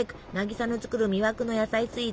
渚の作る魅惑の野菜スイーツ